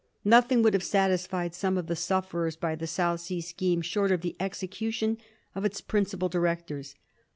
Nothing would have satisfied some of the sufferers by the South Sea scheme short of the execution of its principal directors.